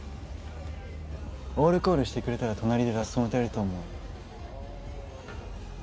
オールコールしてくれたら隣でラスソン歌えると思う。